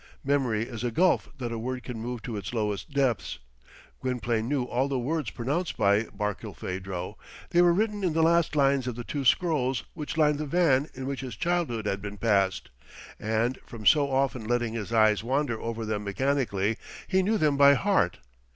Memory is a gulf that a word can move to its lowest depths. Gwynplaine knew all the words pronounced by Barkilphedro. They were written in the last lines of the two scrolls which lined the van in which his childhood had been passed, and, from so often letting his eyes wander over them mechanically, he knew them by heart.